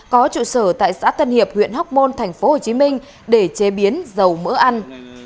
có trụ sở tại xã tân hiệp huyện hóc môn tp hcm để chế biến dầu mỡ ăn